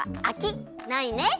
あきないね！